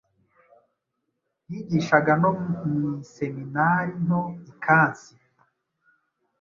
Yigishaga no mu Iseminari nto i Kansi.